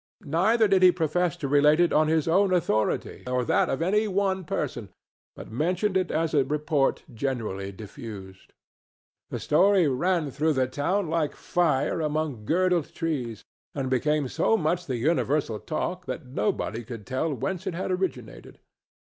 Neither did he profess to relate it on his own authority or that of any one person, but mentioned it as a report generally diffused. The story ran through the town like fire among girdled trees, and became so much the universal talk that nobody could tell whence it had originated.